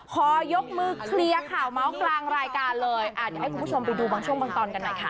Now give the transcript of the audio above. ขอยกมือเคลียร์ข่าวเมาส์กลางรายการเลยอ่ะเดี๋ยวให้คุณผู้ชมไปดูบางช่วงบางตอนกันหน่อยค่ะ